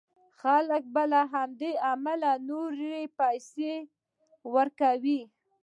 خلک به له همدې امله نورې پيسې ورکوي.